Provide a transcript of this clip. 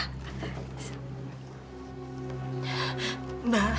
boleh saya bicara dengan saskia lagi